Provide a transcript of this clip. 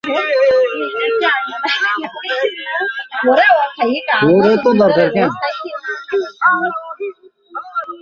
কিঙ্গো সাহেবের ম্যানেজার।